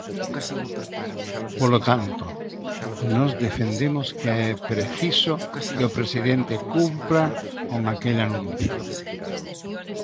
Polo tanto, nós defendemos que é preciso que o presidente cumpra con aquel anuncio.